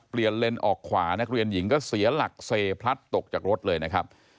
เลนส์ออกขวานักเรียนหญิงก็เสียหลักเซพลัดตกจากรถเลยนะครับ